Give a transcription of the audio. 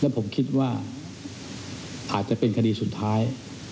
ผมคิดว่าอาจจะเป็นคดีสุดท้าย